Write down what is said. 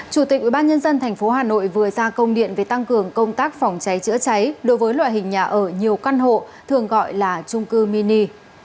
chủ tịch ubnd tp hà nội vừa ra công điện về tăng cường công tác phòng cháy chữa cháy đối với loại hình nhà ở nhiều căn hộ thường gọi là trung cư mini